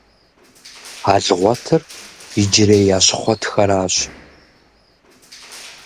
Алгъуэтыр иджырей Ащхъуэтхэращ.